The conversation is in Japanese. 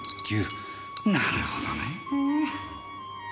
なるほどねぇ。